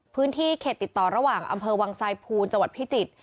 พื้นที่เขตติดต่อระหว่างอำเภอวางไซฟูนจพิจิตร